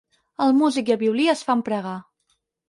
El músic i el violí es fan pregar.